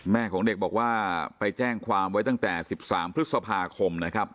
ของเด็กบอกว่าไปแจ้งความไว้ตั้งแต่๑๓พฤษภาคมนะครับ